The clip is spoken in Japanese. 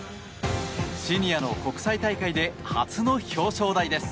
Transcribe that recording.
シニアの国際大会で初の表彰台です。